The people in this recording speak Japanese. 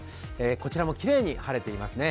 こちらもきれいに晴れていますね。